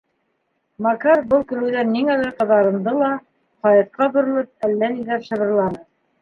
Макаров был көлөүҙән ниңәлер ҡыҙарынды ла, Хаятҡа боролоп, әллә ниҙәр шыбырланы.